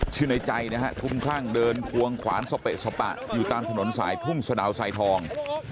ในใจนะฮะคุ้มคลั่งเดินควงขวานสเปะสปะอยู่ตามถนนสายทุ่งสะดาวสายทอง